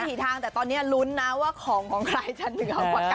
เอาทุกวิถีทางแต่ตอนเนี้ยลุ้นนะว่าของของใครและถึงของกัน